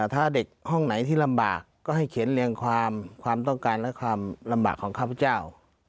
ถ้าเด็กห้องไหนที่ลำบากก็ให้เขียนเรียงความความต้องการและความลำบากของข้าพเจ้า